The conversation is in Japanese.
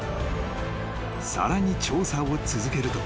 ［さらに調査を続けると］